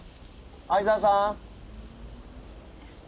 相沢さん？